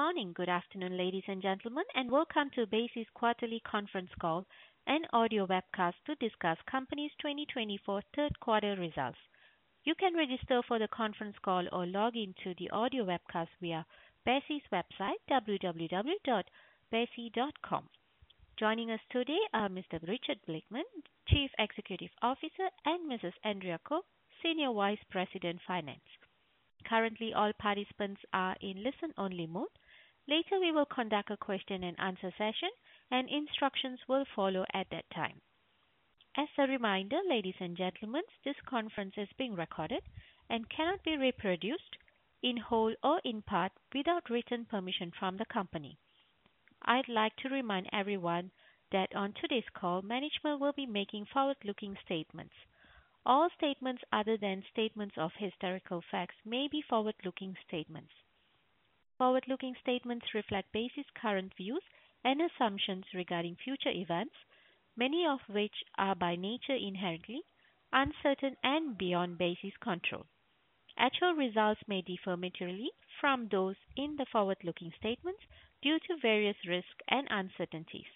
Good morning, good afternoon, ladies and gentlemen, and welcome to Besi's quarterly conference call and audio webcast to discuss the company's 2024 third quarter results. You can register for the conference call or log into the audio webcast via Besi's website, www.besi.com. Joining us today are Mr. Richard Blickman, Chief Executive Officer, and Mrs. Andrea Koch, Senior Vice President, Finance. Currently, all participants are in listen-only mode. Later, we will conduct a question and answer session and instructions will follow at that time. As a reminder, ladies and gentlemen, this conference is being recorded and cannot be reproduced in whole or in part without written permission from the company. I'd like to remind everyone that on today's call, management will be making forward-looking statements. All statements other than statements of historical facts may be forward-looking statements. Forward-looking statements reflect Besi's current views and assumptions regarding future events, many of which are by nature inherently uncertain and beyond Besi's control. Actual results may differ materially from those in the forward-looking statements due to various risks and uncertainties,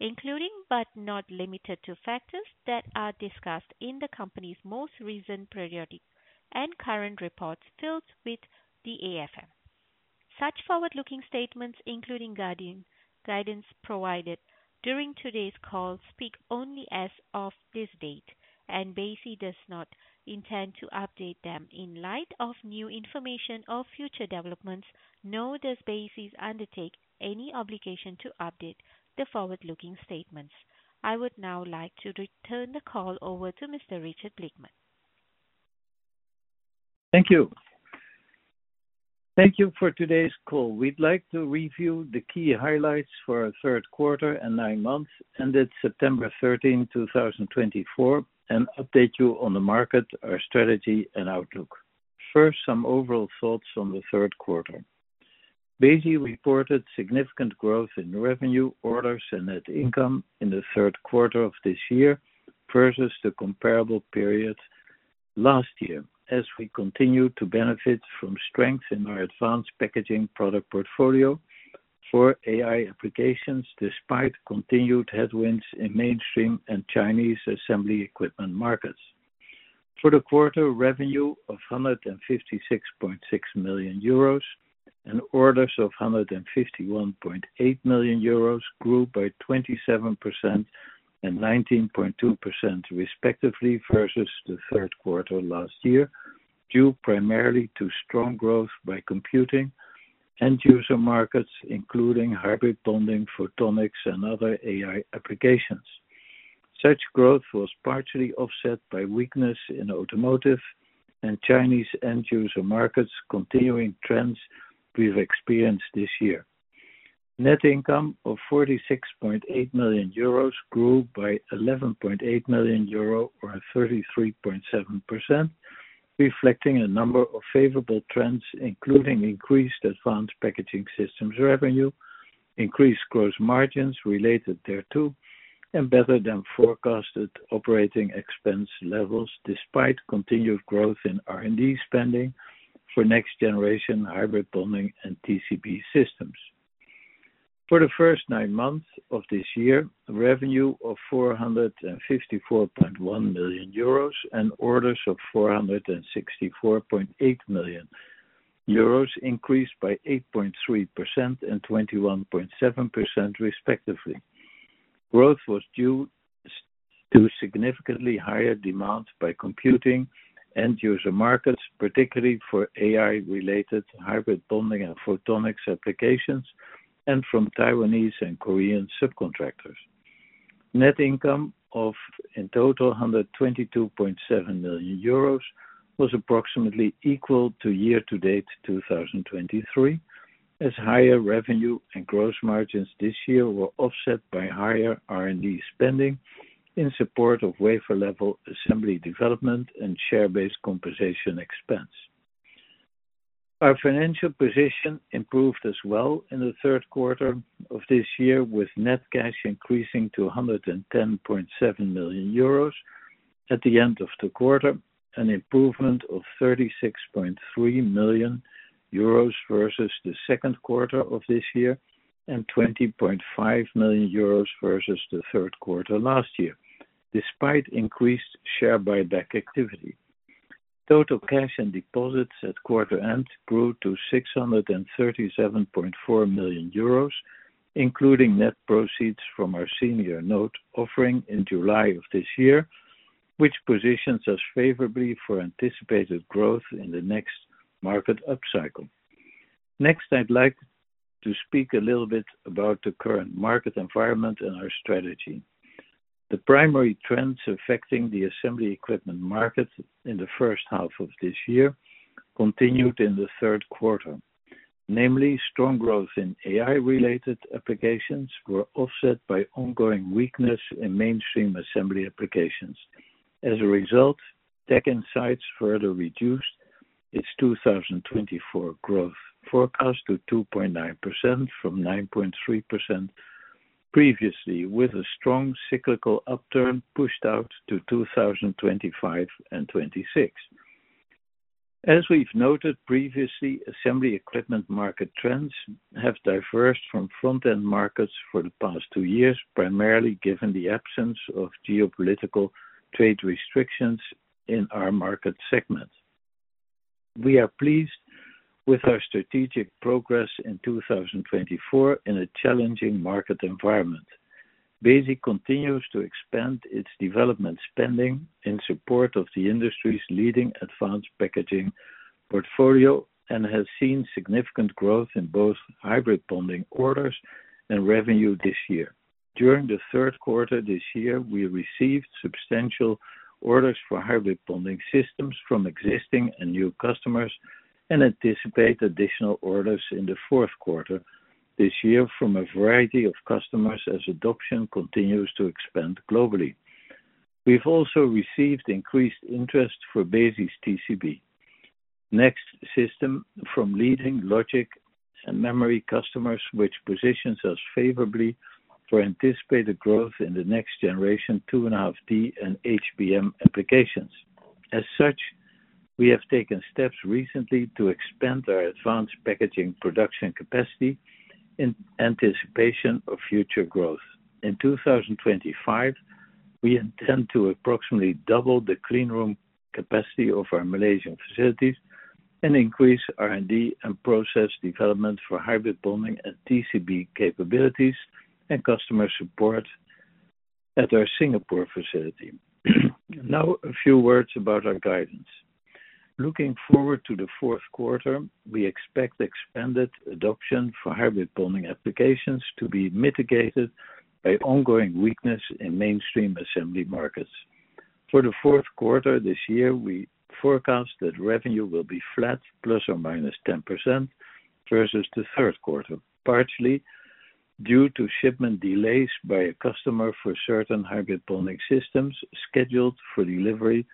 including but not limited to, factors that are discussed in the company's most recent periodic and current reports filed with the AFM. Such forward-looking statements, including guidance provided during today's call, speak only as of this date, and Besi does not intend to update them in light of new information or future developments, nor does Besi undertake any obligation to update the forward-looking statements. I would now like to return the call over to Mr. Richard Blickman. Thank you. Thank you for today's call. We'd like to review the key highlights for our third quarter and nine months, ended September 30, 2024, and update you on the market, our strategy, and outlook. First, some overall thoughts on the third quarter. Besi reported significant growth in revenue, orders, and net income in the third quarter of this year versus the comparable period last year, as we continued to benefit from strength in our advanced packaging product portfolio for AI applications, despite continued headwinds in mainstream and Chinese assembly equipment markets. For the quarter, revenue of 156.6 million euros and orders of 151.8 million euros grew by 27% and 19.2%, respectively, versus the third quarter last year, due primarily to strong growth by computing end-user markets, including hybrid bonding, photonics, and other AI applications. Such growth was partially offset by weakness in automotive and Chinese end-user markets, continuing trends we've experienced this year. Net income of 46.8 million euros grew by 11.8 million euro or 33.7%, reflecting a number of favorable trends, including increased advanced packaging systems revenue, increased gross margins related thereto, and better than forecasted operating expense levels, despite continued growth in R&D spending for next generation hybrid bonding and TCB systems. For the first nine months of this year, revenue of 454.1 million euros and orders of 464.8 million euros increased by 8.3% and 21.7%, respectively. Growth was due to significantly higher demand by computing end-user markets, particularly for AI-related hybrid bonding and photonics applications, and from Taiwanese and Korean subcontractors. Net income of, in total, 122.7 million euros was approximately equal to year-to-date 2023, as higher revenue and gross margins this year were offset by higher R&D spending in support of wafer-level assembly development and share-based compensation expense. Our financial position improved as well in the third quarter of this year, with net cash increasing to 110.7 million euros at the end of the quarter, an improvement of 36.3 million euros versus the second quarter of this year and 20.5 million euros versus the third quarter last year, despite increased share buyback activity. Total cash and deposits at quarter end grew to 637.4 million euros, including net proceeds from our senior note offering in July of this year, which positions us favorably for anticipated growth in the next market upcycle. Next, I'd like to speak a little bit about the current market environment and our strategy. The primary trends affecting the assembly equipment market in the first half of this year continued in the third quarter. Namely, strong growth in AI-related applications were offset by ongoing weakness in mainstream assembly applications. As a result, TechInsights further reduced its 2024 growth forecast to 2.9% from 9.3% previously, with a strong cyclical upturn pushed out to 2025 and 2026. As we've noted previously, assembly equipment market trends have diverged from front-end markets for the past two years, primarily given the absence of geopolitical trade restrictions in our market segment. We are pleased with our strategic progress in 2024 in a challenging market environment. Besi continues to expand its development spending in support of the industry's leading advanced packaging portfolio, and has seen significant growth in both hybrid bonding orders and revenue this year. During the third quarter this year, we received substantial orders for hybrid bonding systems from existing and new customers, and anticipate additional orders in the fourth quarter this year from a variety of customers as adoption continues to expand globally. We've also received increased interest for Besi's TCB Next system from leading logic and memory customers, which positions us favorably for anticipated growth in the next generation, 2.5D and HBM applications. As such, we have taken steps recently to expand our advanced packaging production capacity in anticipation of future growth. In 2025, we intend to approximately double the clean room capacity of our Malaysian facilities and increase R&D and process development for hybrid bonding and TCB capabilities and customer support at our Singapore facility. Now, a few words about our guidance. Looking forward to the fourth quarter, we expect expanded adoption for hybrid bonding applications to be mitigated by ongoing weakness in mainstream assembly markets. For the fourth quarter this year, we forecast that revenue will be flat, plus or minus 10%, versus the third quarter, partially due to shipment delays by a customer for certain hybrid bonding systems scheduled for delivery,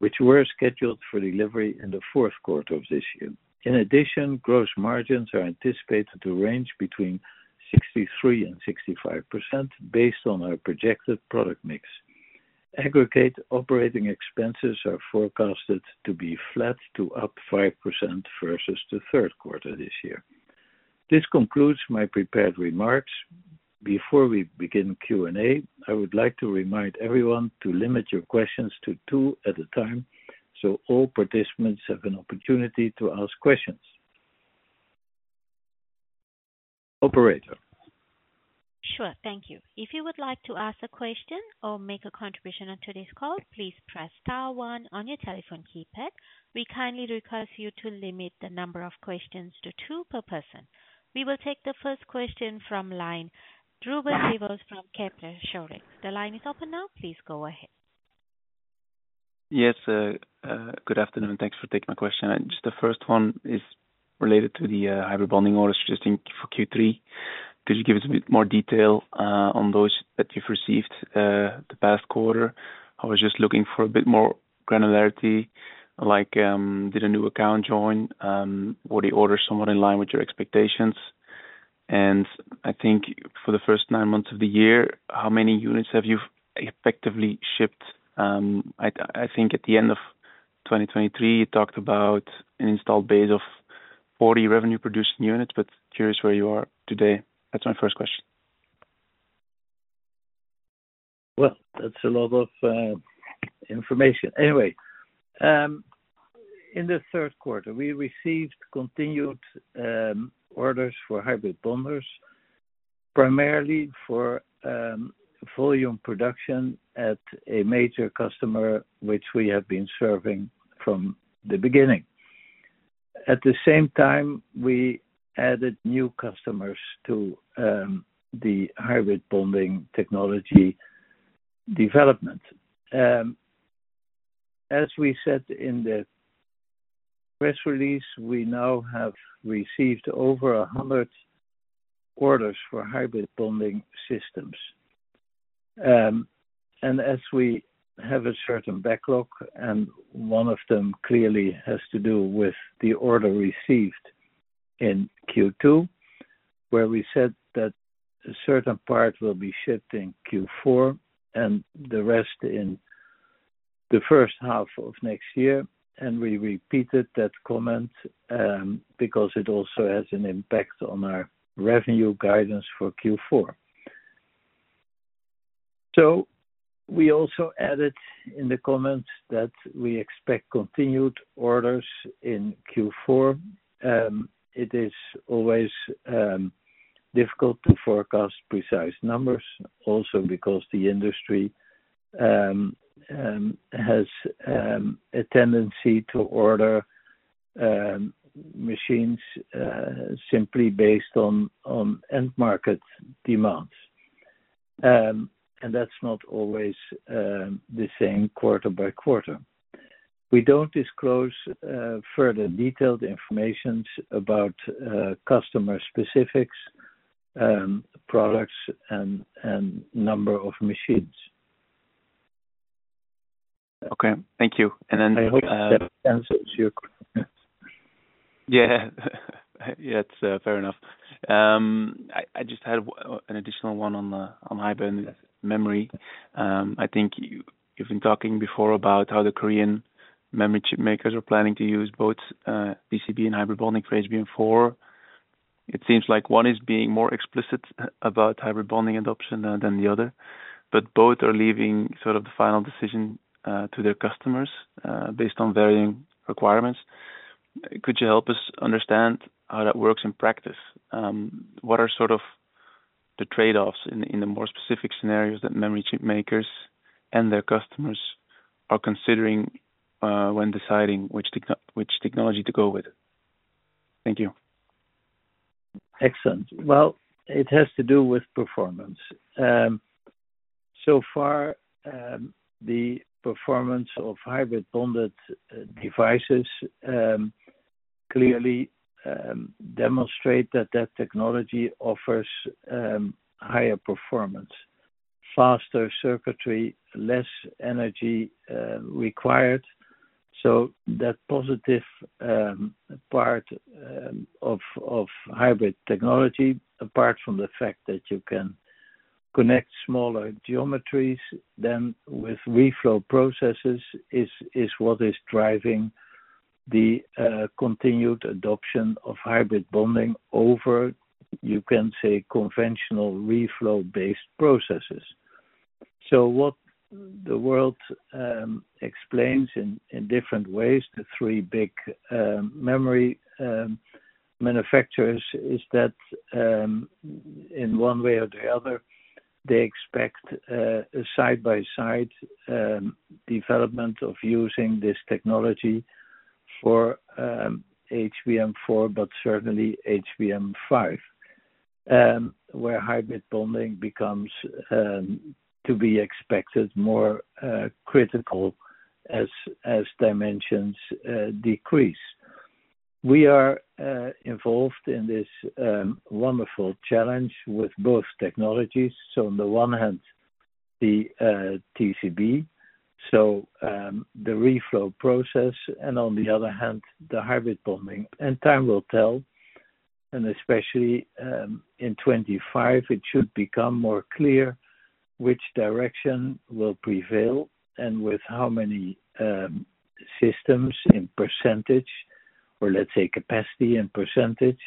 which were scheduled for delivery in the fourth quarter of this year. In addition, gross margins are anticipated to range between 63% and 65% based on our projected product mix. Aggregate operating expenses are forecasted to be flat to up 5% versus the third quarter this year. This concludes my prepared remarks. Before we begin Q&A, I would like to remind everyone to limit your questions to two at a time, so all participants have an opportunity to ask questions. Operator? Sure. Thank you. If you would like to ask a question or make a contribution on today's call, please press star one on your telephone keypad. We kindly request you to limit the number of questions to two per person. We will take the first question from line, Ruben Devos from Kepler Cheuvreux. The line is open now. Please go ahead. Yes, good afternoon, and thanks for taking my question. Just the first one is related to the hybrid bonding orders, just in for Q3. Could you give us a bit more detail on those that you've received the past quarter? I was just looking for a bit more granularity, like, did a new account join? Were the orders somewhat in line with your expectations? And I think for the first nine months of the year, how many units have you effectively shipped? I think at the end of 2023, you talked about an installed base of 40 revenue-producing units, but curious where you are today. That's my first question. That's a lot of information. Anyway, in the third quarter, we received continued orders for hybrid bonders, primarily for volume production at a major customer, which we have been serving from the beginning. At the same time, we added new customers to the hybrid bonding technology development. As we said in the press release, we now have received over a hundred orders for hybrid bonding systems. And as we have a certain backlog, and one of them clearly has to do with the order received in Q2, where we said that a certain part will be shipped in Q4 and the rest in the first half of next year, and we repeated that comment because it also has an impact on our revenue guidance for Q4. So we also added in the comment that we expect continued orders in Q4. It is always difficult to forecast precise numbers, also because the industry has a tendency to order machines simply based on end market demands, and that's not always the same quarter by quarter. We don't disclose further detailed information about customer specifics, products, and number of machines. ... Okay, thank you, and then- I hope that answers your question. Yeah. Yeah, it's fair enough. I just had an additional one on the hybrid bonding. I think you've been talking before about how the Korean memory chip makers are planning to use both TCB and hybrid bonding for HBM4. It seems like one is being more explicit about hybrid bonding adoption than the other, but both are leaving sort of the final decision to their customers based on varying requirements. Could you help us understand how that works in practice? What are sort of the trade-offs in the more specific scenarios that memory chip makers and their customers are considering when deciding which technology to go with? Thank you. Excellent. Well, it has to do with performance. So far, the performance of hybrid bonded devices clearly demonstrate that that technology offers higher performance, faster circuitry, less energy required. So that positive part of hybrid technology, apart from the fact that you can connect smaller geometries than with reflow processes, is what is driving the continued adoption of hybrid bonding over, you can say, conventional reflow-based processes. So what the world explains in different ways, the three big memory manufacturers, is that, in one way or the other, they expect a side-by-side development of using this technology for HBM4, but certainly HBM5. Where hybrid bonding becomes to be expected, more critical as dimensions decrease. We are involved in this wonderful challenge with both technologies, so on the one hand, the TCB, so the reflow process, and on the other hand, the hybrid bonding. Time will tell, and especially in 2025, it should become more clear which direction will prevail and with how many systems in percentage, or let's say, capacity and percentage.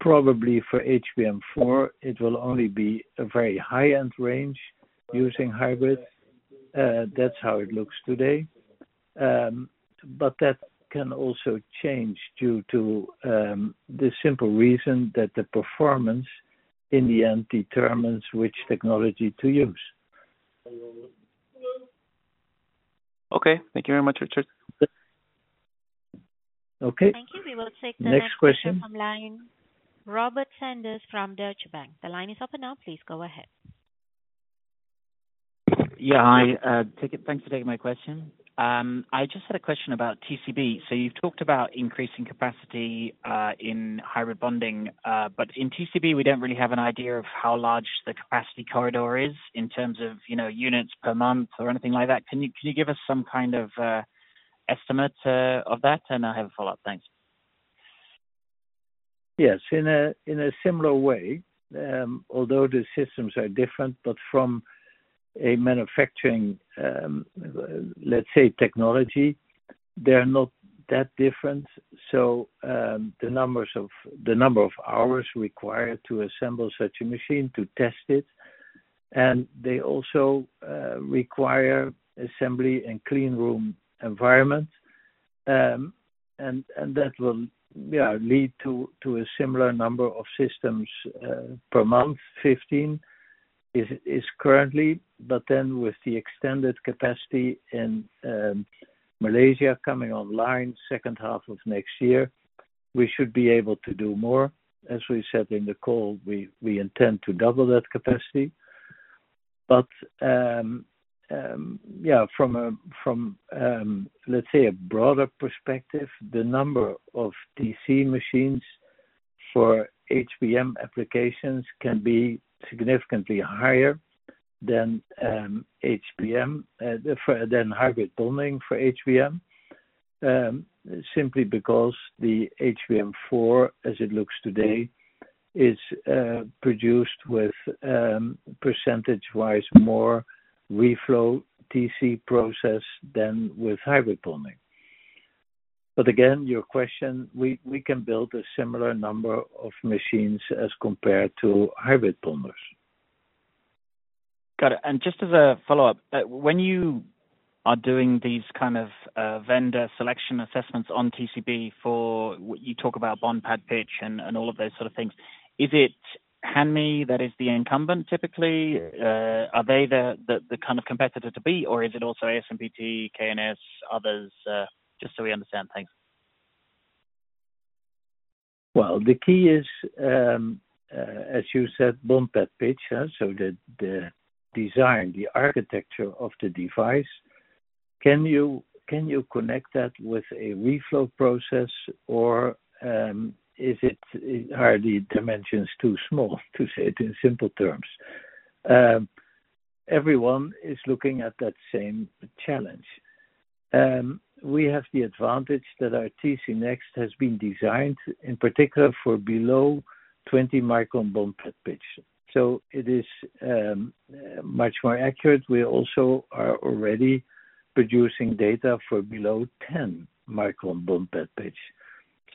Probably for HBM4, it will only be a very high-end range using hybrid. That's how it looks today, but that can also change due to the simple reason that the performance, in the end, determines which technology to use. Okay. Thank you very much, Richard. Okay. Thank you. We will take the- Next question the line of Robert Sanders from Deutsche Bank. The line is open now. Please go ahead. Yeah, hi. Thank you. Thanks for taking my question. I just had a question about TCB. So you've talked about increasing capacity in hybrid bonding, but in TCB, we don't really have an idea of how large the capacity corridor is in terms of, you know, units per month or anything like that. Can you give us some kind of estimate of that? And I have a follow-up. Thanks. Yes. In a similar way, although the systems are different, but from a manufacturing, let's say, technology, they're not that different. So, the number of hours required to assemble such a machine, to test it, and they also require assembly and clean room environment. And that will, yeah, lead to a similar number of systems per month. 15 is currently, but then with the extended capacity in Malaysia coming online second half of next year, we should be able to do more. As we said in the call, we intend to double that capacity. But, yeah, from a, from, let's say a broader perspective, the number of TC machines for HBM applications can be significantly higher than HBM for than hybrid bonding for HBM. Simply because the HBM4, as it looks today, is produced with, percentage-wise, more reflow TC process than with hybrid bonding. But again, your question, we can build a similar number of machines as compared to hybrid bonders. Got it. And just as a follow-up, when you are doing these kind of vendor selection assessments on TCB for what you talk about bond pad pitch and all of those sort of things, is it Hanmi that is the incumbent typically? Are they the kind of competitor to beat, or is it also ASMPT, K&S, others? Just so we understand. Thanks. The key is, as you said, bond pad pitch, so the design, the architecture of the device. Can you connect that with a reflow process or are the dimensions too small, to say it in simple terms? Everyone is looking at that same challenge. We have the advantage that our TCB Next has been designed, in particular, for below 20-micron bond pad pitch. So it is much more accurate. We also are already producing data for below 10-micron bond pad pitch.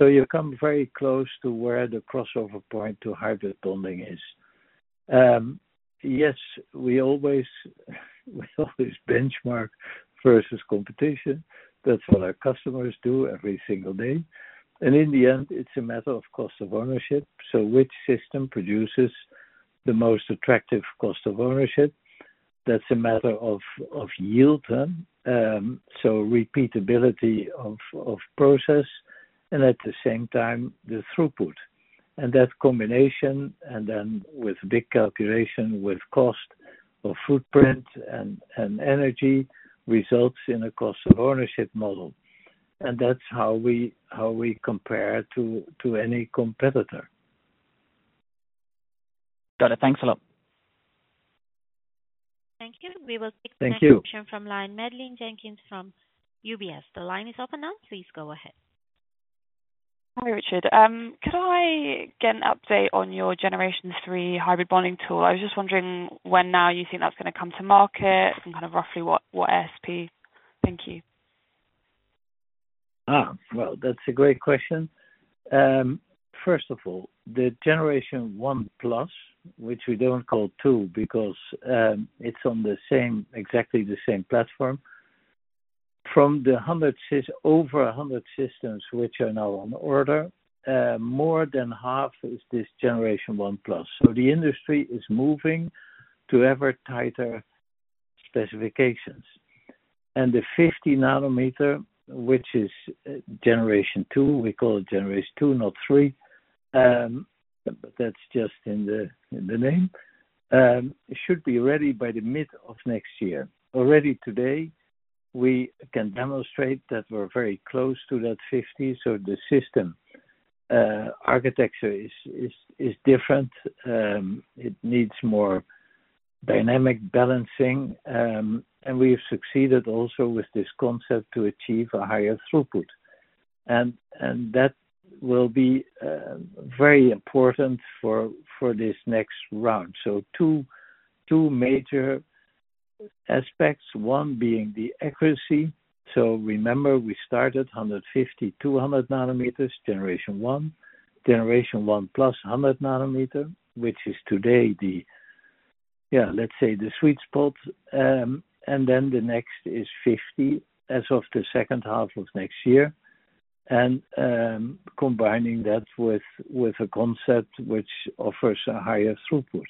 So you come very close to where the crossover point to hybrid bonding is. Yes, we always benchmark versus competition. That's what our customers do every single day, and in the end, it's a matter of cost of ownership. So which system produces the most attractive cost of ownership? That's a matter of yield then. So repeatability of process, and at the same time, the throughput and that combination, and then with big calculation, with cost of footprint and energy, results in a cost of ownership model, and that's how we compare to any competitor. Got it. Thanks a lot. Thank you. Thank you. We will take the next question from line, Madeleine Jenkins from UBS. The line is open now, please go ahead. Hi, Richard. Could I get an update on your Generation Three hybrid bonding tool? I was just wondering when now you think that's gonna come to market and kind of roughly what ASP. Thank you. Ah, well, that's a great question. First of all, the Generation One plus, which we don't call two because it's on the same, exactly the same platform. From over a hundred systems which are now on order, more than half is this Generation One plus. So the industry is moving to ever tighter specifications. And the fifty nanometer, which is Generation Two, we call it Generation Two, not three, but that's just in the, in the name. It should be ready by the mid of next year. Already today, we can demonstrate that we're very close to that fifty, so the system architecture is different. It needs more dynamic balancing, and we have succeeded also with this concept to achieve a higher throughput. And that will be very important for this next round. So two major aspects, one being the accuracy. So remember, we started hundred and fifty, two hundred nanometers, Generation One. Generation One plus, hundred nanometer, which is today the, yeah, let's say, the sweet spot. And then the next is fifty, as of the second half of next year, and combining that with a concept which offers a higher throughput.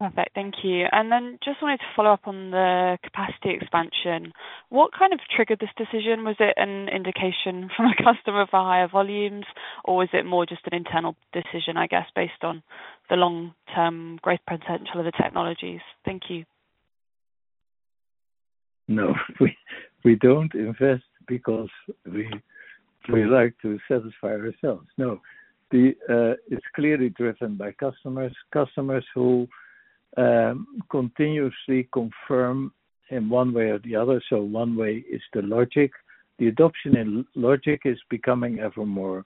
Perfect. Thank you. And then just wanted to follow up on the capacity expansion. What kind of triggered this decision? Was it an indication from a customer for higher volumes, or was it more just an internal decision, I guess, based on the long-term growth potential of the technologies? Thank you. No, we don't invest because we like to satisfy ourselves. No. It's clearly driven by customers. Customers who continuously confirm in one way or the other, so one way is the logic. The adoption in logic is becoming ever more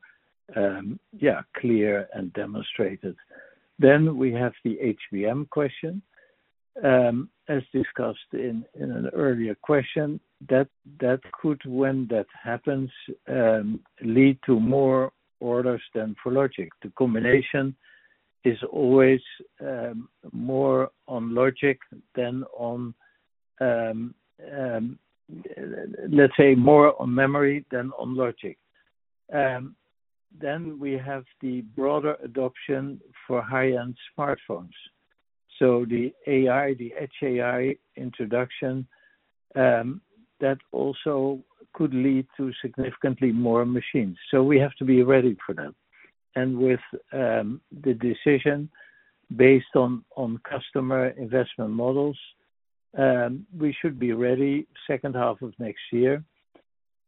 clear and demonstrated, then we have the HBM question. As discussed in an earlier question, that could, when that happens, lead to more orders than for logic. The combination is always more on logic than on, let's say more on memory than on logic, then we have the broader adoption for high-end smartphones, so the AI, the AI introduction, that also could lead to significantly more machines, so we have to be ready for them. With the decision based on customer investment models, we should be ready second half of next year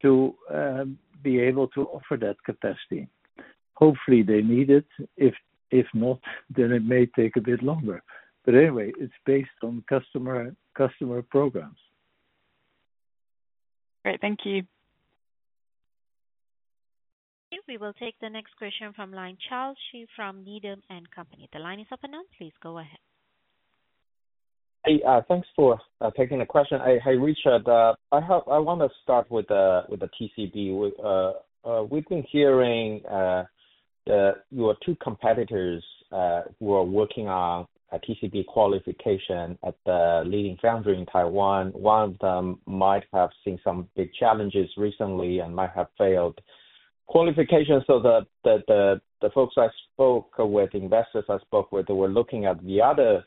to be able to offer that capacity. Hopefully, they need it. If not, then it may take a bit longer. But anyway, it's based on customer programs. Great. Thank you. We will take the next question from line, Charles Shi from Needham & Company. The line is open now, please go ahead. Hey, thanks for taking the question. Hey, Richard, I want to start with the TCB. We've been hearing that your two competitors who are working on a TCB qualification at the leading foundry in Taiwan, one of them might have seen some big challenges recently and might have failed qualification, so the folks I spoke with, investors I spoke with, were looking at the other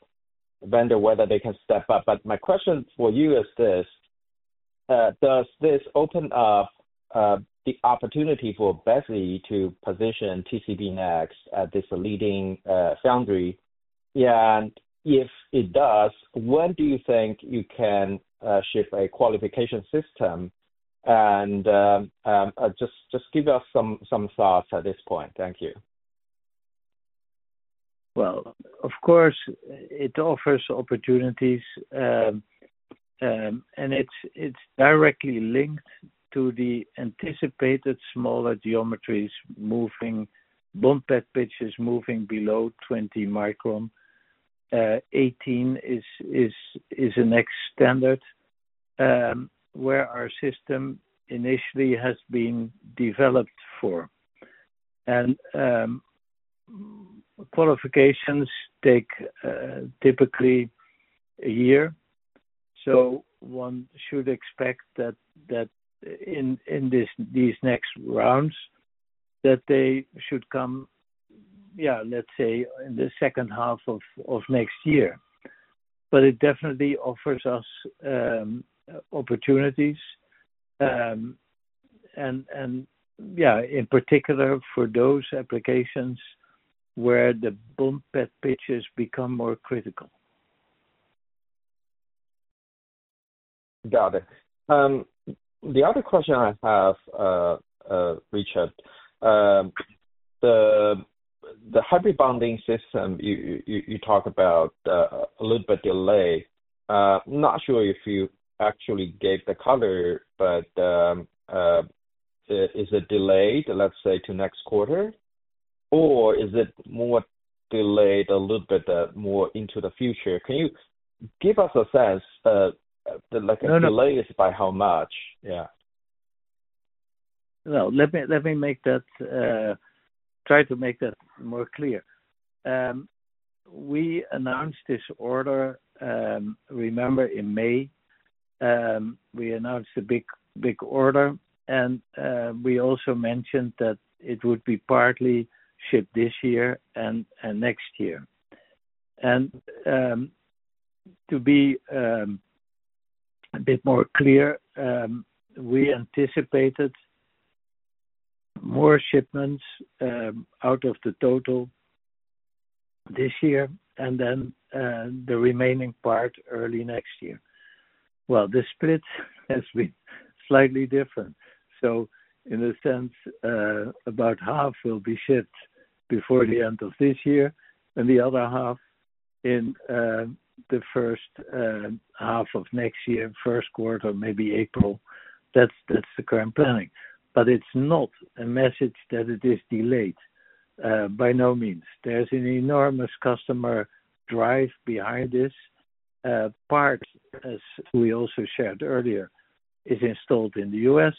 vendor whether they can step up. But my question for you is this: Does this open up the opportunity for Besi to position TCB-Next at this leading foundry? Yeah, and if it does, when do you think you can ship a qualification system? And just give us some thoughts at this point. Thank you. Well, of course, it offers opportunities, and it's directly linked to the anticipated smaller geometries moving, bond pad pitches moving below 20 micron. 18 is the next standard where our system initially has been developed for. And qualifications take typically a year, so one should expect that in these next rounds, that they should come, yeah, let's say in the second half of next year. But it definitely offers us opportunities, and yeah, in particular, for those applications where the bond pad pitches become more critical. Got it. The other question I have, Richard, the hybrid bonding system, you talk about a little bit delay. I'm not sure if you actually gave the color, but is it delayed, let's say, to next quarter, or is it more delayed a little bit more into the future? Can you give us a sense, the like- No, no Delays by how much? Yeah. Well, let me try to make that more clear. We announced this order, remember in May, we announced a big, big order, and we also mentioned that it would be partly shipped this year and next year. To be a bit more clear, we anticipated more shipments out of the total this year, and then the remaining part early next year. The split has been slightly different. In a sense, about half will be shipped before the end of this year, and the other half in the first half of next year, first quarter, maybe April. That's the current planning. But it's not a message that it is delayed, by no means. There's an enormous customer drive behind this. Part, as we also shared earlier, is installed in the U.S.,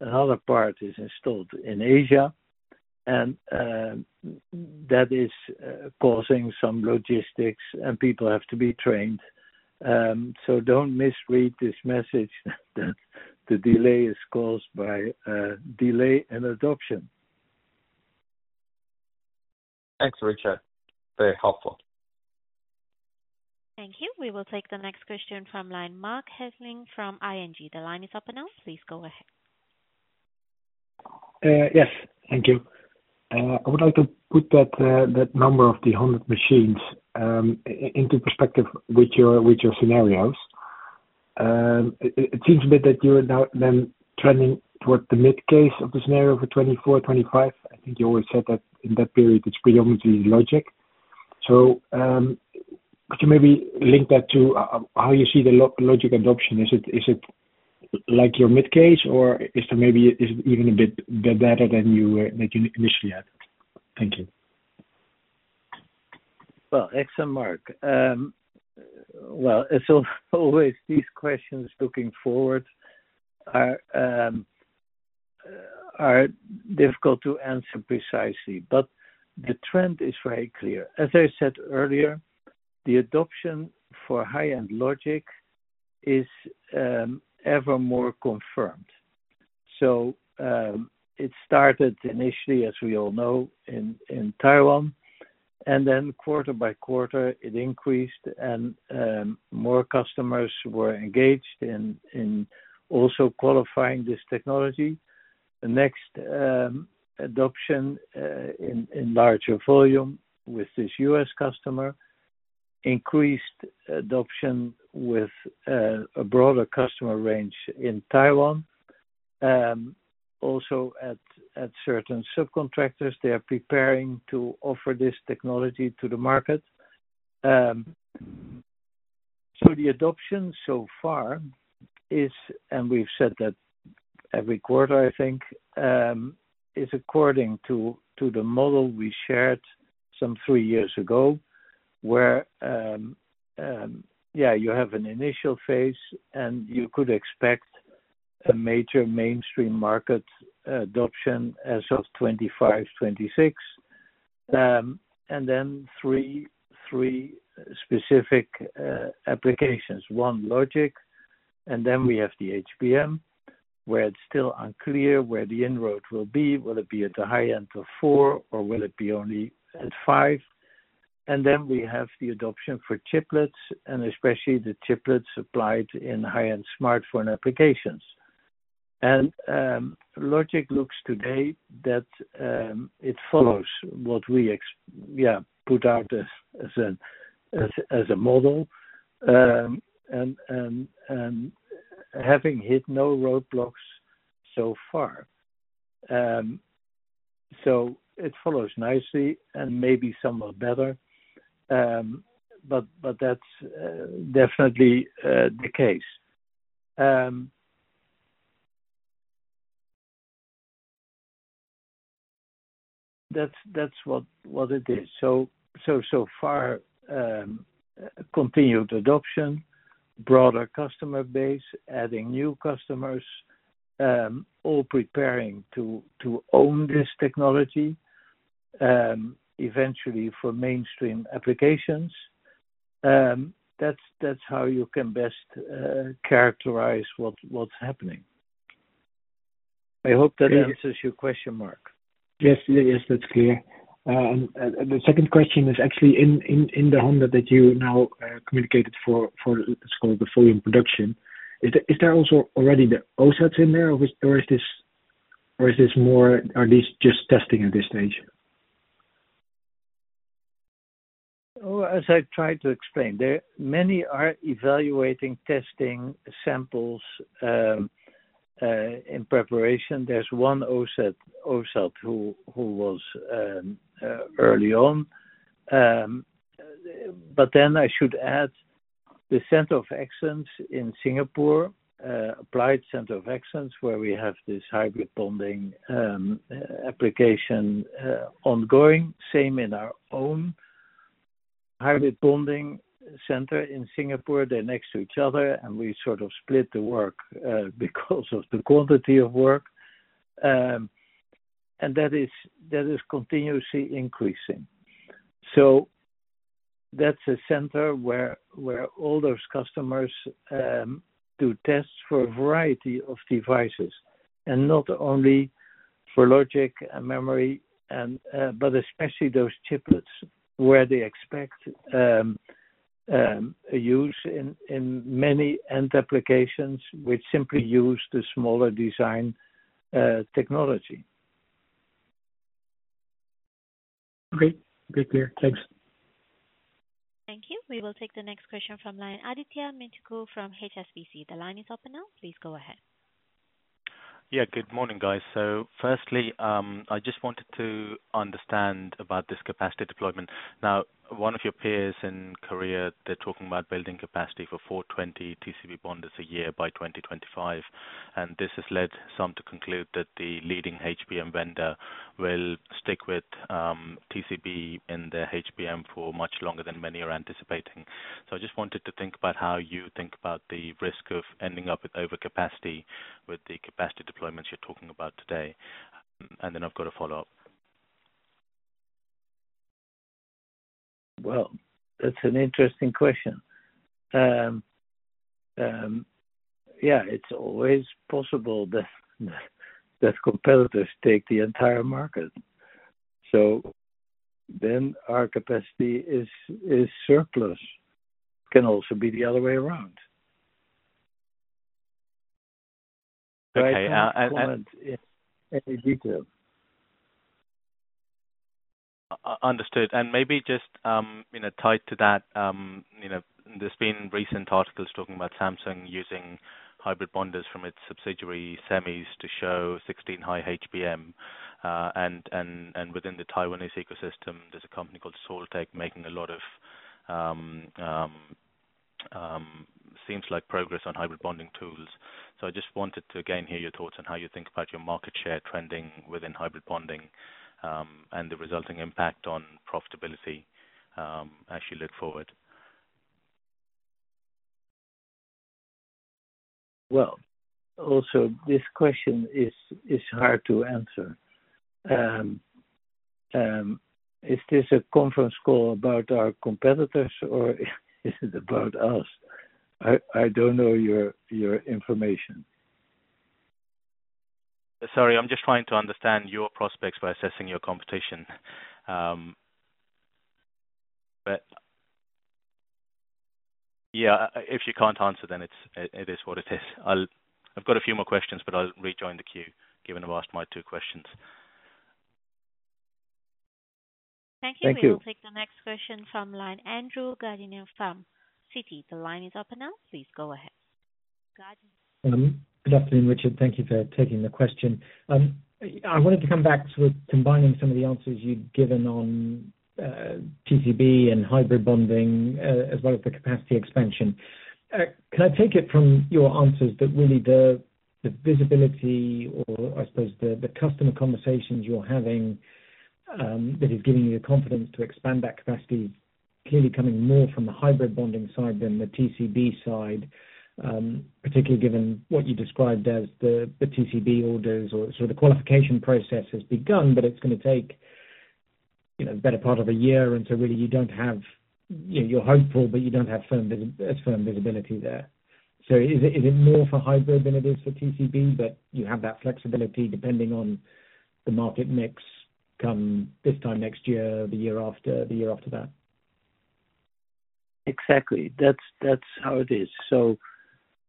another part is installed in Asia, and that is causing some logistics, and people have to be trained. So don't misread this message, that the delay is caused by delay in adoption. Thanks, Richard. Very helpful. Thank you. We will take the next question from line, Marc Hesselink from ING. The line is open now. Please go ahead. Yes, thank you. I would like to put that, that number of the 100 machines, into perspective with your, with your scenarios. It seems to me that you are now then trending towards the mid case of the scenario for 2024, 2025. I think you always said that in that period, it's predominantly logic. So, could you maybe link that to, how you see the logic adoption? Is it, is it like your mid case, or is there maybe, is even a bit better than you were... than you initially had? Thank you. Excellent, Marc. Always these questions looking forward are difficult to answer precisely, but the trend is very clear. As I said earlier, the adoption for high-end logic is ever more confirmed. It started initially, as we all know, in Taiwan, and then quarter by quarter, it increased and more customers were engaged in also qualifying this technology. The next adoption in larger volume with this US customer, increased adoption with a broader customer range in Taiwan. Also at certain subcontractors, they are preparing to offer this technology to the market. So the adoption so far is, and we've said that every quarter, I think, is according to the model we shared some three years ago, where you have an initial phase, and you could expect a major mainstream market adoption as of 2025, 2026. And then three specific applications, one, logic, and then we have the HBM, where it's still unclear where the inroad will be. Will it be at the high end of four, or will it be only at five? And then we have the adoption for chiplets, and especially the chiplets applied in high-end smartphone applications. And logic looks today that it follows what we put out as a model. And having hit no roadblocks so far. So it follows nicely and maybe somewhat better, but that's definitely the case. That's what it is. So far, continued adoption, broader customer base, adding new customers, all preparing to own this technology, eventually for mainstream applications. That's how you can best characterize what's happening. I hope that answers your question, Mark. Yes. Yes, that's clear. And the second question is actually in the handout that you now communicated for what it's called the volume production. Is there also already the OSATs in there, or is this more, or are these just testing at this stage? Oh, as I tried to explain, there many are evaluating, testing samples, in preparation. There's one OSAT who was early on. But then I should add, the Center of Excellence in Singapore, Applied Center of Excellence, where we have this hybrid bonding application ongoing. Same in our own hybrid bonding center in Singapore. They're next to each other, and we sort of split the work because of the quantity of work. And that is continuously increasing. So that's a center where all those customers do tests for a variety of devices, and not only for logic and memory, and, but especially those chiplets, where they expect a use in many end applications, which simply use the smaller design technology. Great. Great, clear. Thanks. Thank you. We will take the next question from line, Adithya Metuku from HSBC. The line is open now, please go ahead. Yeah, good morning, guys. So firstly, I just wanted to understand about this capacity deployment. Now, one of your peers in Korea, they're talking about building capacity for 420 TCB bonders a year by 2025, and this has led some to conclude that the leading HBM vendor will stick with TCB in their HBM for much longer than many are anticipating. So I just wanted to think about how you think about the risk of ending up with overcapacity, with the capacity deployments you're talking about today, and then I've got a follow-up. That's an interesting question. Yeah, it's always possible that competitors take the entire market so then our capacity is surplus, can also be the other way around. Okay, Any detail. Understood. And maybe just, you know, tied to that, you know, there's been recent articles talking about Samsung using hybrid bonders from its subsidiary, SEMES, to show sixteen high HBM. And within the Taiwanese ecosystem, there's a company called Saultech, making a lot of, seems like progress on hybrid bonding tools. So I just wanted to again, hear your thoughts on how you think about your market share trending within hybrid bonding, and the resulting impact on profitability, as you look forward. Also this question is hard to answer. Is this a conference call about our competitors, or is it about us? I don't know your information. Sorry, I'm just trying to understand your prospects by assessing your competition. But yeah, if you can't answer, then it is what it is. I've got a few more questions, but I'll rejoin the queue, given I've asked my two questions. Thank you. Thank you. We will take the next question from line, Andrew Gardiner from Citi. The line is open now, please go ahead. Garden- Good afternoon, Richard. Thank you for taking the question. I wanted to come back to combining some of the answers you'd given on TCB and hybrid bonding, as well as the capacity expansion. Can I take it from your answers that really the visibility or I suppose the customer conversations you're having, that is giving you the confidence to expand that capacity, clearly coming more from the hybrid bonding side than the TCB side, particularly given what you described as the TCB orders or so the qualification process has begun, but it's gonna take, you know, better part of a year, and so really you don't have... You're hopeful, but you don't have firm visibility there? So is it, is it more for hybrid than it is for TCB, but you have that flexibility depending on the market mix come this time next year, or the year after, the year after that? Exactly. That's, that's how it is.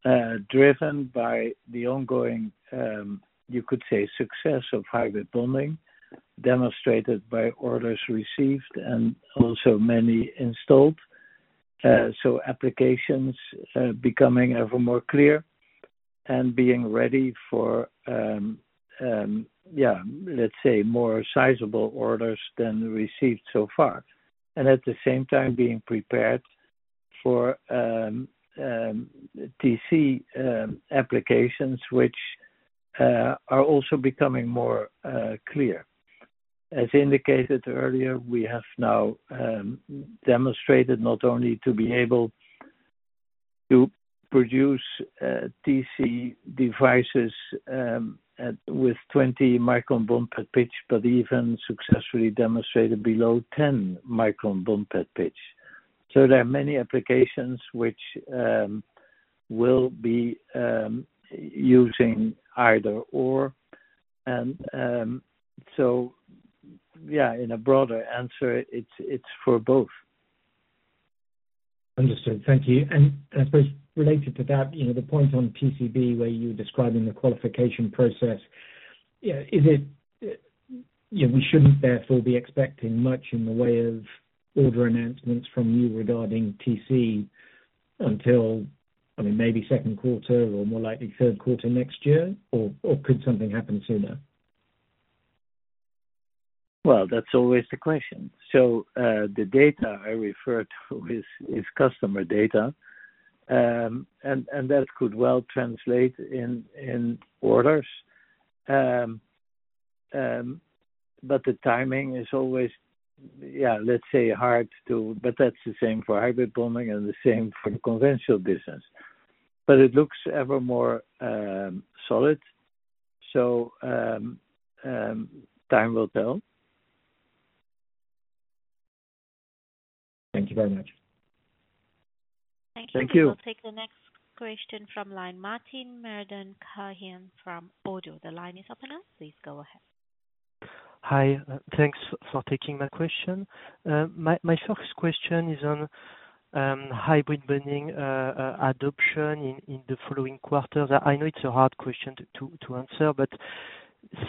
So, driven by the ongoing, you could say, success of hybrid bonding, demonstrated by orders received and also many installed. So applications, becoming ever more clear and being ready for, yeah, let's say more sizable orders than received so far. And at the same time, being prepared for, TC, applications, which, are also becoming more, clear. As indicated earlier, we have now, demonstrated not only to be able to produce, TC devices, at, with twenty micron bond pad pitch, but even successfully demonstrated below ten micron bond pad pitch. So there are many applications which, will be, using either/or. And, so yeah, in a broader answer, it's, it's for both. Understood. Thank you. And I suppose related to that, you know, the point on TCB where you were describing the qualification process. Yeah, is it, we shouldn't therefore be expecting much in the way of order announcements from you regarding TCB until, I mean, maybe second quarter or more likely third quarter next year, or could something happen sooner? That's always the question. The data I referred to is customer data, and that could well translate in orders. The timing is always, yeah, let's say, hard to... That's the same for hybrid bonding and the same for the conventional business. It looks ever more solid. Time will tell. Thank you very much. Thank you. We'll take the next question from line. Martin Marandon-Carlhian from ODDO BHF. The line is open now, please go ahead. Hi, thanks for taking my question. My first question is on hybrid bonding adoption in the following quarters. I know it's a hard question to answer, but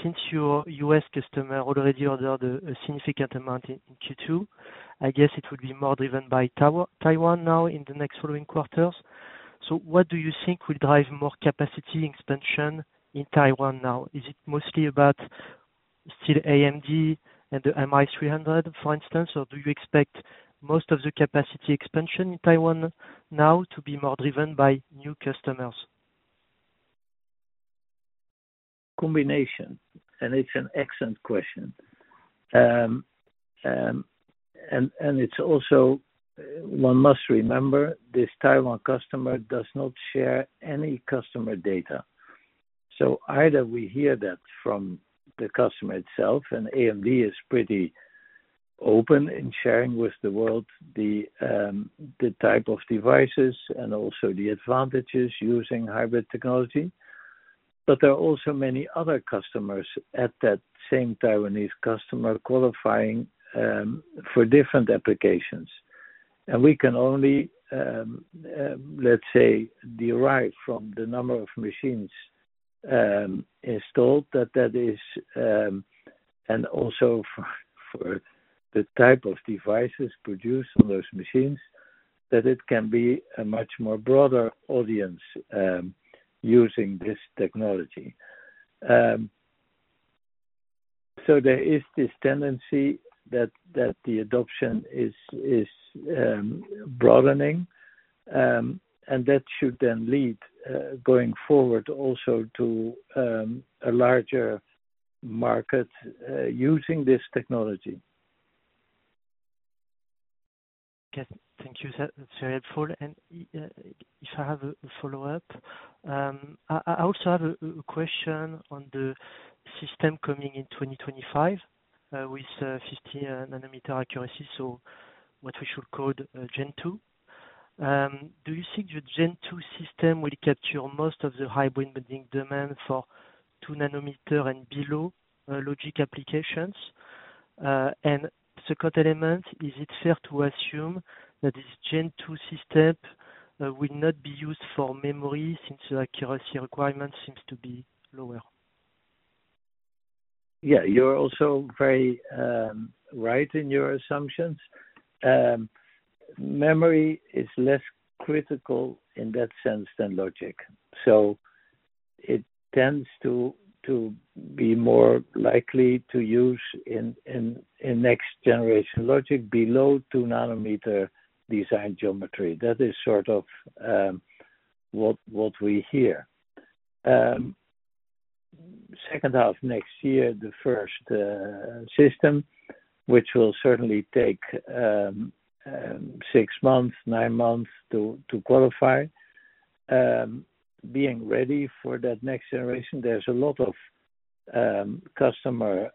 since your US customer already ordered a significant amount in Q2, I guess it would be more driven by Taiwan now in the next following quarters. So what do you think will drive more capacity expansion in Taiwan now? Is it mostly about still AMD and the MI300, for instance, or do you expect most of the capacity expansion in Taiwan now to be more driven by new customers? Combination, and it's an excellent question. It's also, one must remember, this Taiwan customer does not share any customer data. So either we hear that from the customer itself, and AMD is pretty open in sharing with the world the type of devices and also the advantages using hybrid technology. But there are also many other customers at that same Taiwanese customer qualifying for different applications. And we can only, let's say, derive from the number of machines installed, that is, and also for the type of devices produced on those machines, that it can be a much more broader audience using this technology. So there is this tendency that the adoption is broadening, and that should then lead, going forward also to a larger market using this technology. Okay. Thank you. That, that's very helpful. And, if I have a follow-up, I also have a question on the system coming in twenty twenty-five, with 50 nanometer accuracy, so what we should call the Gen 2. Do you think the Gen 2 system will capture most of the hybrid bonding demand for 2 nanometer and below, logic applications? And the second element, is it fair to assume that this Gen 2 system will not be used for memory since the accuracy requirement seems to be lower? Yeah, you're also very right in your assumptions. Memory is less critical in that sense than logic, so it tends to be more likely to use in next generation logic below two nanometer design geometry. That is sort of what we hear. Second half of next year, the first system, which will certainly take six months, nine months to qualify. Being ready for that next generation, there's a lot of customer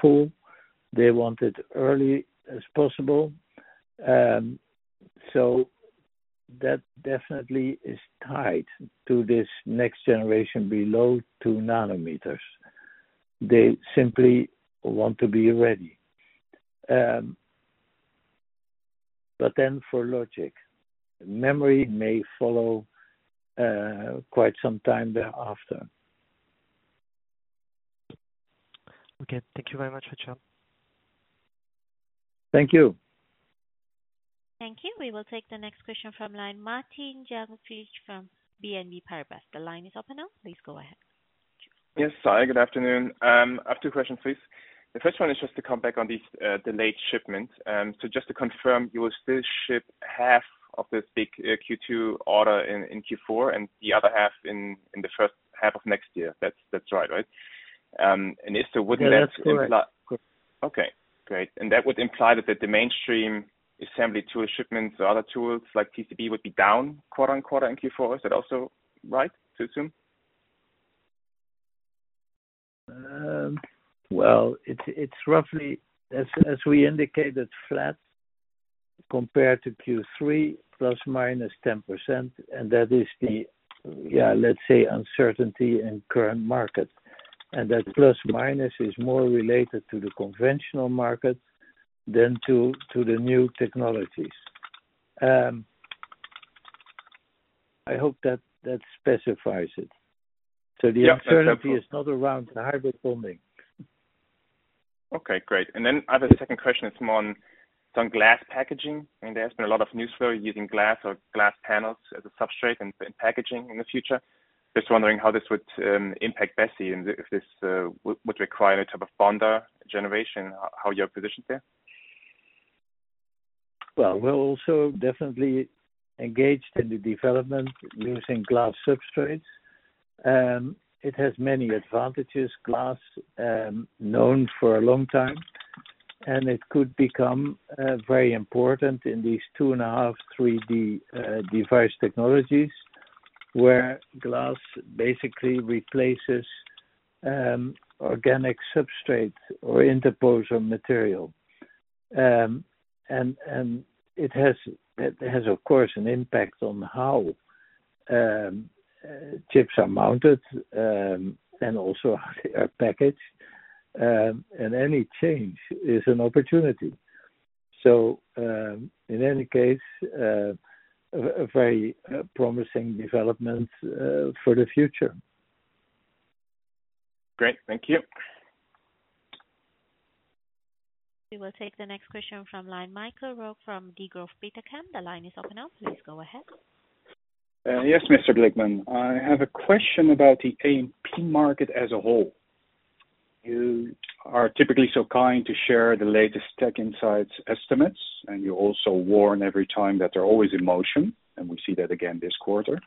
pull, they want it as early as possible. So that definitely is tied to this next generation below two nanometers. They simply want to be ready. But then for logic, memory may follow quite some time thereafter. Okay, thank you very much, Richard. Thank you. Thank you. We will take the next question from line, Martin Jungfleisch from BNP Paribas. The line is open now, please go ahead. Yes, hi, good afternoon. I have two questions, please. The first one is just to come back on these delayed shipments. So just to confirm, you will still ship half of this big Q2 order in Q4 and the other half in the first half of next year. That's right, right? And if so, wouldn't that- Yeah, that's correct. Okay, great. And that would imply that the mainstream assembly tool shipments or other tools like TCB would be down quarter on quarter in Q4. Is that also right, to assume? It's roughly as we indicated, flat compared to Q3, plus or minus 10%, and that is the, yeah, let's say, uncertainty in current market. That plus minus is more related to the conventional market than to the new technologies. I hope that specifies it. Yeah. So the uncertainty is not around the hybrid bonding. Okay, great. And then I have a second question. It's more on some glass packaging. I mean, there's been a lot of news flow using glass or glass panels as a substrate and packaging in the future. Just wondering how this would impact BESI, and if this would require a type of bonder generation, how are you positioned there? We're also definitely engaged in the development using glass substrates. It has many advantages. Glass, known for a long time, and it could become very important in these 2.5D, 3D device technologies, where glass basically replaces organic substrate or interposer material. It has, of course, an impact on how chips are mounted and also how they are packaged. Any change is an opportunity. In any case, a very promising development for the future. Great, thank you. We will take the next question from the line, Michael Roeg from Degroof Petercam. The line is open now. Please go ahead. Yes, Mr. Blickman. I have a question about the AMP market as a whole. You are typically so kind to share the latest TechInsights estimates, and you also warn every time that they're always in motion, and we see that again this quarter.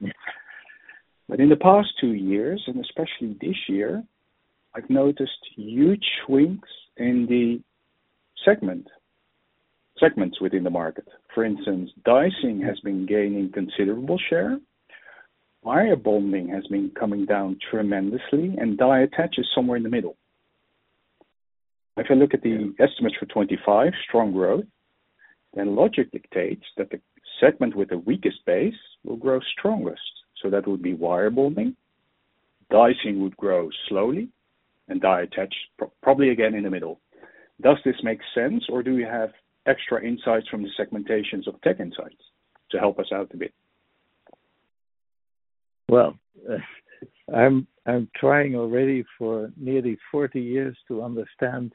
But in the past two years, and especially this year, I've noticed huge shrinks in the segment, segments within the market. For instance, dicing has been gaining considerable share, wire bonding has been coming down tremendously, and die attach is somewhere in the middle. If you look at the estimates for twenty-five, strong growth, then logic dictates that the segment with the weakest base will grow strongest. So that would be wire bonding, dicing would grow slowly, and die attach probably again in the middle. Does this make sense, or do you have extra insights from the segmentations of TechInsights to help us out a bit? Well, I'm trying already for nearly forty years to understand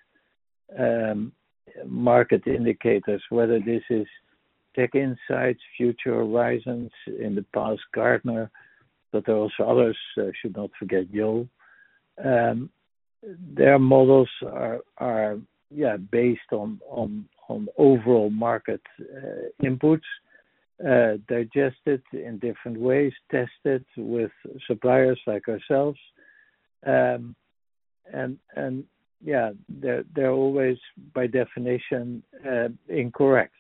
market indicators, whether this is TechInsights, Future Horizons, in the past, Gartner, but there are also others, I should not forget, Yole. Their models are, yeah, based on overall market inputs digested in different ways, tested with suppliers like ourselves. And yeah, they're always, by definition, incorrect,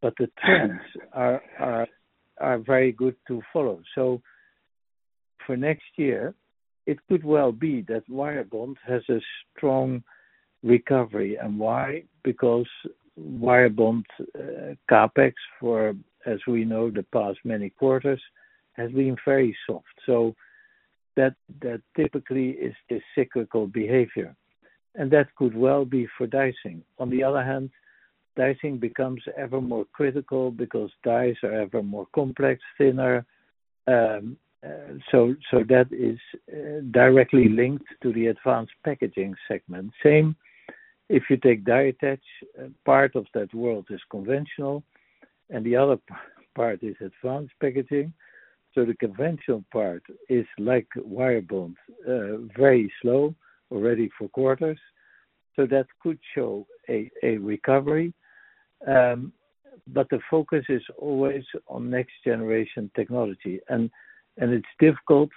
but the trends are very good to follow so for next year, it could well be that wire bond has a strong recovery, and why? Because wire bond CapEx, as we know, the past many quarters, has been very soft so that typically is the cyclical behavior, and that could well be for dicing. On the other hand, dicing becomes ever more critical because dies are ever more complex, thinner. That is directly linked to the advanced packaging segment. Same if you take die attach, a part of that world is conventional, and the other part is advanced packaging. The conventional part is like wire bond, very slow, already for quarters, so that could show a recovery. But the focus is always on next generation technology, and it's difficult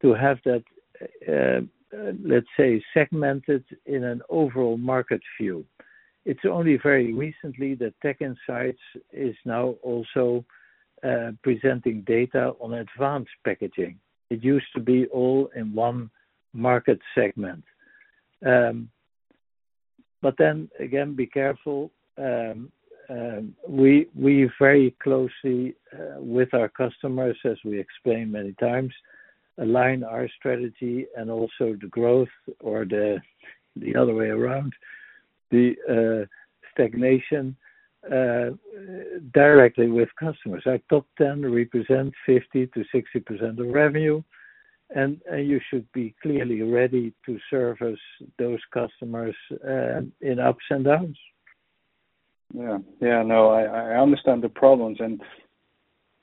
to have that, let's say, segmented in an overall market view... It's only very recently that TechInsights is now also presenting data on advanced packaging. It used to be all in one market segment. But then again, be careful, we very closely with our customers, as we explained many times, align our strategy and also the growth or the other way around, the stagnation directly with customers. Our top ten represent 50%-60% of revenue, and you should be clearly ready to service those customers in ups and downs. Yeah. Yeah, no, I understand the problems, and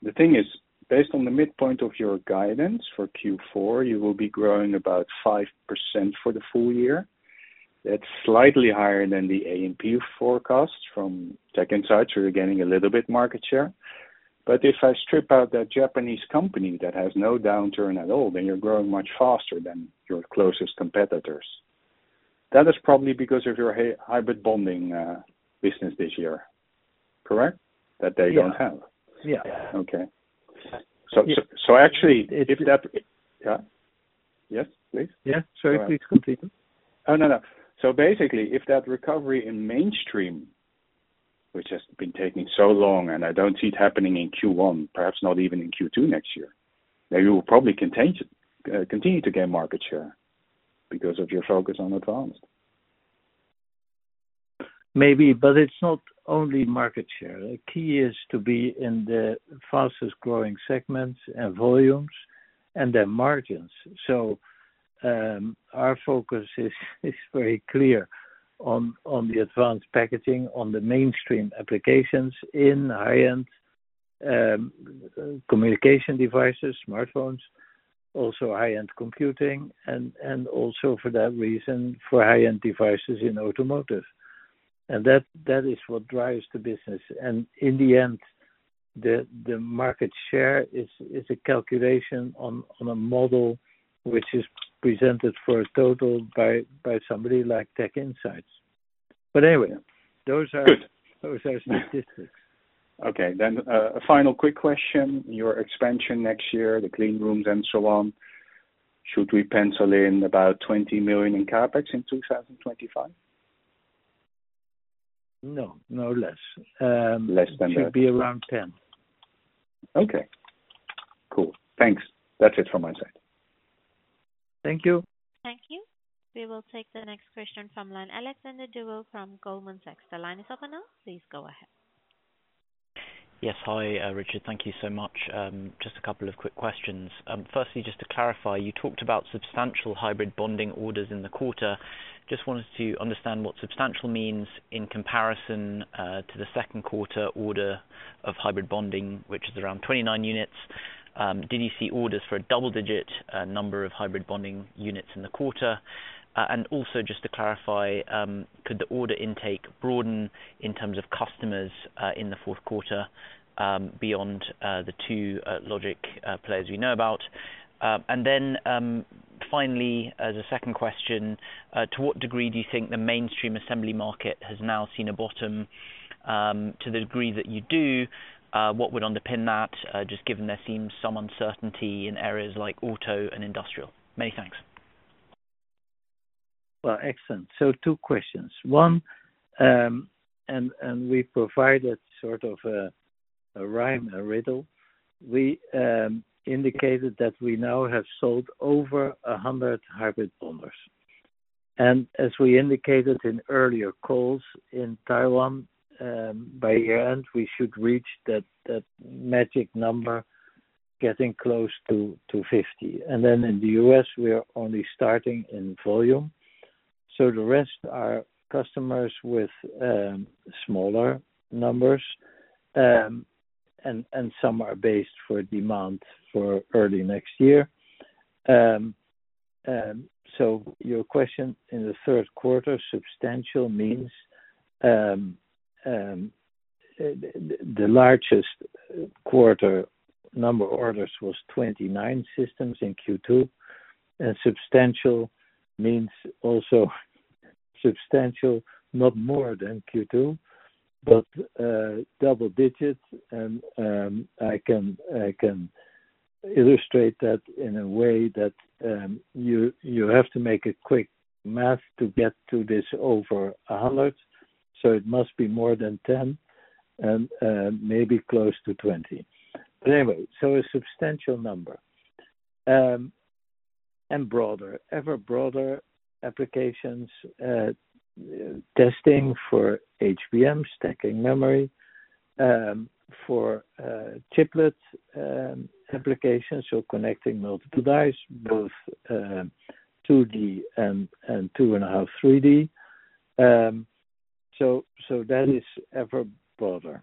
the thing is, based on the midpoint of your guidance for Q4, you will be growing about 5% for the full year. That's slightly higher than the A and P forecast from TechInsights. You're getting a little bit market share. But if I strip out that Japanese company that has no downturn at all, then you're growing much faster than your closest competitors. That is probably because of your hybrid bonding business this year, correct? That they don't have. Yeah. Okay. So actually, yeah. Yes, please. Yeah. Sorry, please complete it. Oh, no, no, so basically, if that recovery in mainstream, which has been taking so long and I don't see it happening in Q1, perhaps not even in Q2 next year, then you will probably continue to gain market share because of your focus on advanced. Maybe, but it's not only market share. The key is to be in the fastest-growing segments and volumes and their margins. So, our focus is very clear on the advanced packaging, on the mainstream applications in high-end communication devices, smartphones, also high-end computing, and also for that reason, for high-end devices in automotive. And that is what drives the business. And in the end, the market share is a calculation on a model which is presented for a total by somebody like TechInsights. But anyway, those are- Good. Those are statistics. Okay, then, a final quick question. Your expansion next year, the clean rooms and so on, should we pencil in about 20 million in CapEx in 2025? No, no less. Less than that. Should be around 10. Okay. Cool. Thanks. That's it from my side. Thank you. Thank you. We will take the next question from Alexander Duval from Goldman Sachs. The line is open now. Please go ahead. Yes. Hi, Richard, thank you so much. Just a couple of quick questions. Firstly, just to clarify, you talked about substantial hybrid bonding orders in the quarter. Just wanted to understand what substantial means in comparison to the second quarter order of hybrid bonding, which is around 29 units. Did you see orders for a double digit number of hybrid bonding units in the quarter? And also just to clarify, could the order intake broaden in terms of customers in the fourth quarter beyond the two logic players we know about? And then, finally, as a second question, to what degree do you think the mainstream assembly market has now seen a bottom to the degree that you do? What would underpin that, just given there seems some uncertainty in areas like auto and industrial? Many thanks. Well, excellent. So two questions. One, and we provided sort of a rhyme or riddle. We indicated that we now have sold over 100 hybrid bonders. And as we indicated in earlier calls in Taiwan, by year-end, we should reach that magic number getting close to 50. And then in the U.S., we are only starting in volume. So the rest are customers with smaller numbers, and some are based for demand for early next year. And so your question in the third quarter, substantial means the largest quarter number orders was 29 systems in Q2, and substantial means also substantial, not more than Q2, but double digits, and I can illustrate that in a way that you have to make a quick math to get to this over a hundred, so it must be more than 10, maybe close to 20. But anyway, so a substantial number. And broader, ever broader applications, testing for HBM, stacking memory for chiplets applications, so connecting multiple dies, both 2D and two and a half 3D. So that is ever broader.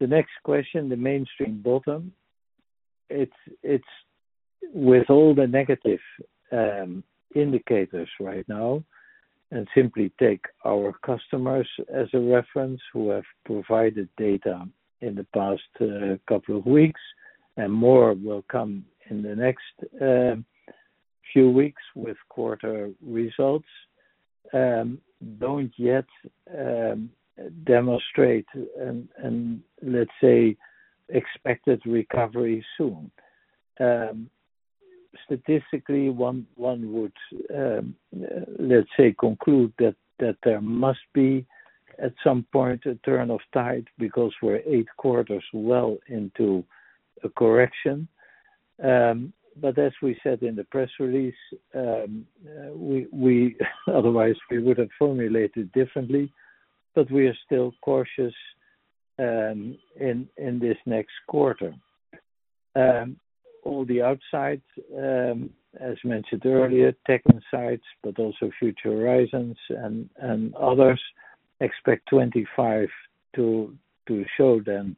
The next question, the mainstream bottom. It's with all the negative indicators right now, and simply take our customers as a reference, who have provided data in the past couple of weeks, and more will come in the next few weeks with quarter results. They don't yet demonstrate and let's say expected recovery soon. Statistically, one would let's say conclude that there must be at some point a turn of tide, because we're eight quarters well into a correction. But as we said in the press release, we otherwise we would've formulated differently, but we are still cautious in this next quarter. All the outsiders, as mentioned earlier, TechInsights, but also Future Horizons and others expect 2025 to show them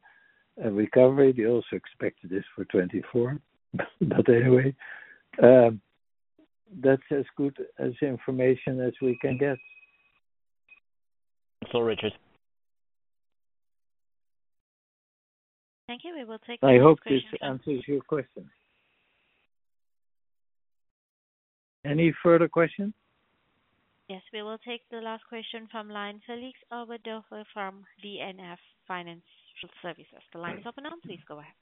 a recovery. They also expected this for 2024. But anyway, that's as good as information as we can get. So, Richard. Thank you. We will take- I hope this answers your question. Any further question? Yes, we will take the last question from line, Felix Overdijk from ABN AMRO. The line's open now. Please go ahead.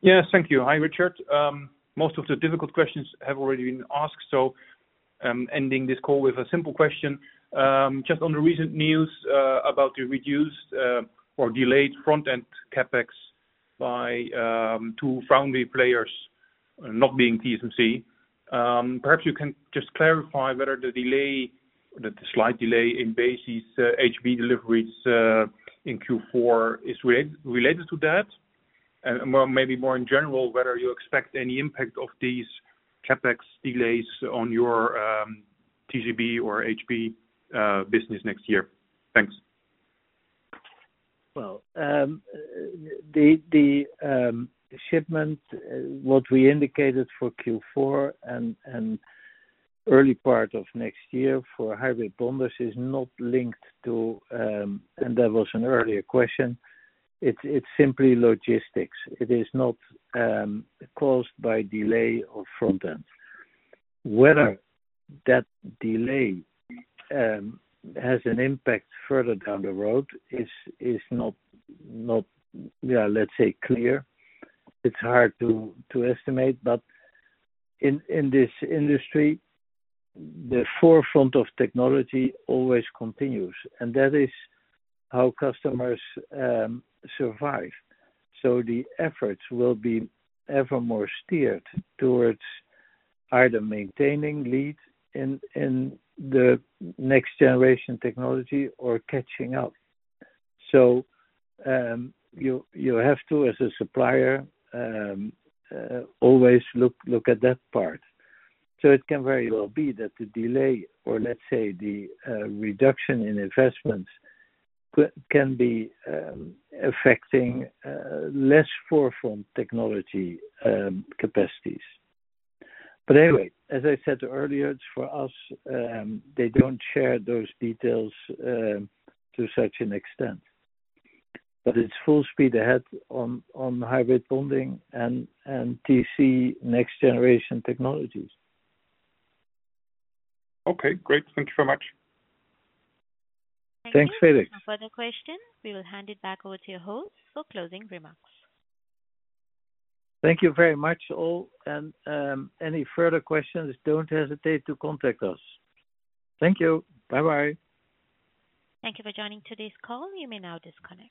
Yes, thank you. Hi, Richard. Most of the difficult questions have already been asked, so, ending this call with a simple question. Just on the recent news, about the reduced, or delayed front-end CapEx by, two foundry players not being TSMC. Perhaps you can just clarify whether the delay, the slight delay in Besi's HB deliveries, in Q4 is related to that? And well, maybe more in general, whether you expect any impact of these CapEx delays on your, TCB or HB, business next year. Thanks. The shipment what we indicated for Q4 and early part of next year for hybrid bonders is not linked to, and there was an earlier question. It's simply logistics. It is not caused by delay of front end. Whether that delay has an impact further down the road is not, yeah, let's say, clear. It's hard to estimate, but in this industry, the forefront of technology always continues, and that is how customers survive. So the efforts will be ever more steered towards either maintaining leads in the next generation technology or catching up. So you have to, as a supplier, always look at that part. So it can very well be that the delay or, let's say, the reduction in investments can be affecting less forefront technology capacities. But anyway, as I said earlier, it's for us they don't share those details to such an extent. But it's full speed ahead on hybrid bonding and TC next generation technologies. Okay, great. Thank you so much. Thanks, Felix. No further question. We will hand it back over to your host for closing remarks. Thank you very much, all. And, any further questions, don't hesitate to contact us. Thank you. Bye-bye. Thank you for joining today's call. You may now disconnect.